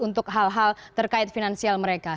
untuk hal hal terkait finansial mereka